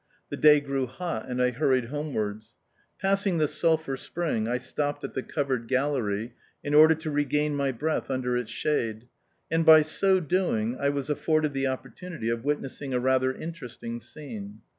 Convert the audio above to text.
The day grew hot, and I hurried homewards. Passing the sulphur spring, I stopped at the covered gallery in order to regain my breath under its shade, and by so doing I was afforded the opportunity of witnessing a rather interesting scene.